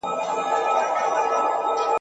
یو د بل په ژبه پوه مي ننګرهار او کندهار کې !.